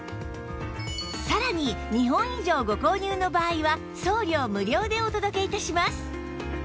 さらに２本以上ご購入の場合は送料無料でお届け致します